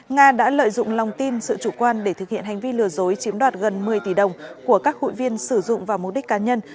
nga đã lợi dụng lòng tin sự chủ quan để thực hiện hành vi lừa dối chiếm đoạt gần một mươi tỷ đồng của các hụi viên sử dụng vào mục đích cá nhân